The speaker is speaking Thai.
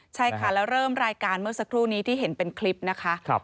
ใช่ค่ะแล้วเริ่มรายการเมื่อสักครู่นี้ที่เห็นเป็นคลิปนะคะ